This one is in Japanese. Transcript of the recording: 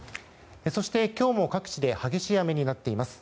そして、今日も各地で激しい雨になっています。